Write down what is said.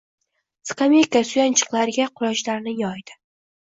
Skameyka suyanchiqlariga qulochlarini yoydi.